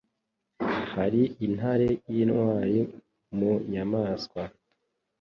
hari intare y’intwari mu nyamaswa